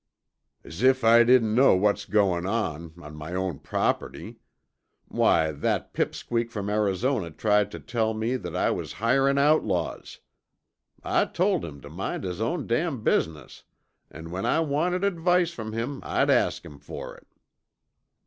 "As if I didn't know what's goin' on, on my own property. Why, that pipsqueak from Arizona tried tuh tell me that I was hirin' outlaws! I told him tuh mind his own damn business an' when I wanted advice from him I'd ask him fer it."